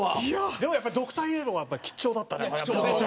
でもやっぱドクターイエローは貴重だったね。